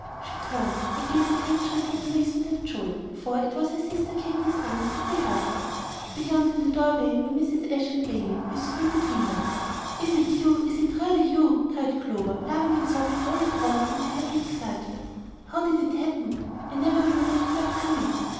She turned, and gave a great shriek of amazement and joy, for it was her sister Katy's arms that held her. Beyond, in the doorway, were Mrs. Ashe and Amy, with Phil between them. "Is it you; is it really you?" cried Clover, laughing and sobbing all at once in her happy excitement. "How did it happen? I never knew that you were coming."